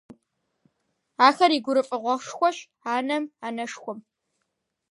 Ахэр и гурыфӏыгъуэшхуэщ анэм, анэшхуэм.